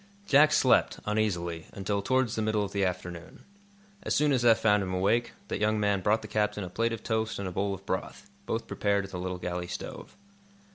Jack slept, uneasily, until towards the middle of the afternoon. As soon as Eph found him awake, that young man brought the captain a plate of toast and a bowl of broth, both prepared at the little galley stove.